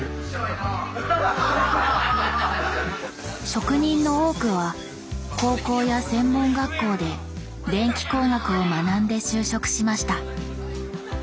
職人の多くは高校や専門学校で電気工学を学んで就職しました。